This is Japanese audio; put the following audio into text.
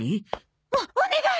おお願い！